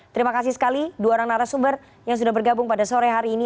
terima kasih sekali dua orang narasumber yang sudah bergabung pada sore hari ini